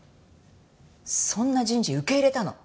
そんな人事受け入れたの？